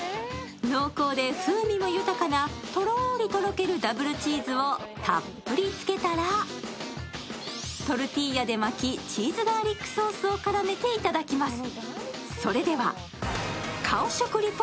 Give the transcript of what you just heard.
濃厚で風味も豊かなとろりとろけるダブルチーズをたっぷりつけたらトルティーヤで巻き、チーズガーリックソースを絡めて頂きます。